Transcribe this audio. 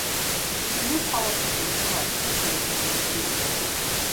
The new policy gave them rights to create provincial units.